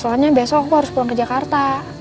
soalnya besok aku harus pulang ke jakarta